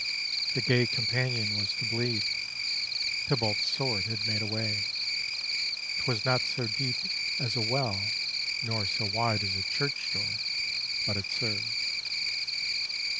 The gay companion was to bleed; Tybalt's sword had made a way. 'Twas not so deep as a well nor so wide as a church door, but it served.